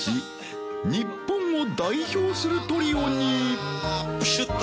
日本を代表するトリオに廛轡絅辰。